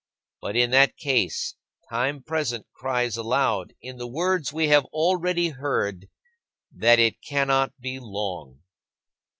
But in that case, time present cries aloud, in the words we have already heard, that it cannot be "long."